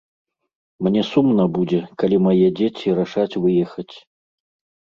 Мне сумна будзе, калі мае дзеці рашаць выехаць.